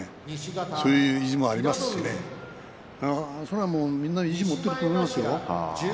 そういう意地もありますからみんな意地を持っていると思いますよ。